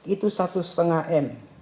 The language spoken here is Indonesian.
itu satu lima m